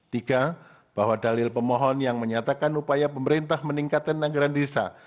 tiga bahwa dalil pemohon yang menyatakan upaya pemerintah meningkatkan anggaran desa